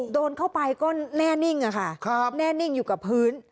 โดนเข้าไปก็แน่นิ่งอะค่ะแน่นิ่งอยู่กับพื้น